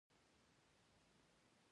د تورې دانې دانه د دفاع لپاره وکاروئ